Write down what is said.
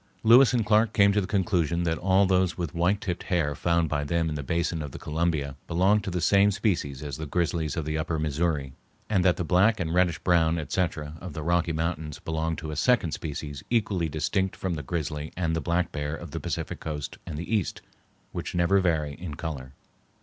Lewis and Clark came to the conclusion that all those with white tipped hair found by them in the basin of the Columbia belonged to the same species as the grizzlies of the upper Missouri; and that the black and reddish brown, etc., of the Rocky Mountains belong to a second species equally distinct from the grizzly and the black bear of the Pacific Coast and the East, which never vary in color.